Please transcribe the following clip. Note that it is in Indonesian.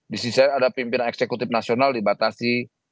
di sisi ada pimpinan eksekutif nasional dibatasi